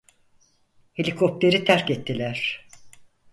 Helikopteri terk ettiler.